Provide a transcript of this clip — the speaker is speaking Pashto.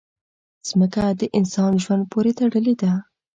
مځکه د انسان ژوند پورې تړلې ده.